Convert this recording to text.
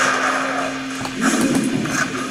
Tessnem-t.